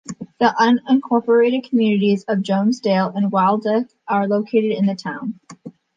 The unincorporated communities of Jonesdale and Waldwick are located in the town.